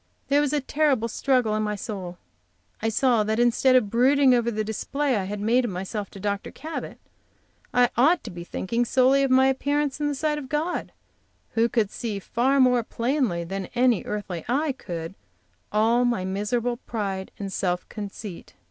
There was a terrible struggle in my soul. I saw that instead of brooding over the display I had made of myself to Dr. Cabot I ought to be thinking solely of my appearance in the sight of God, who could see far more plainly than any earthly eye could all my miserable pride and self conceit.